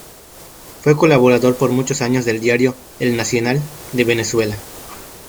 Fue colaborador por muchos años del diario "El Nacional" de Venezuela.